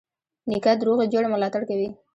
نیکه د روغي جوړې ملاتړ کوي.